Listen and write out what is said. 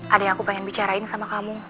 ada yang aku pengen bicarain sama kamu